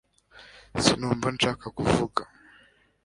sinumva nshaka kuvuga